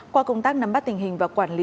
qua công tác nắm bắt tình hình và quản lý